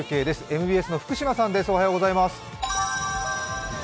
ＭＢＣの福島さんです。